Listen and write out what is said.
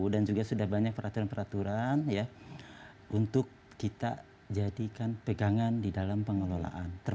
seribu sembilan ratus sembilan puluh satu dan juga sudah banyak peraturan peraturan ya untuk kita jadikan pegangan di dalam pengelolaan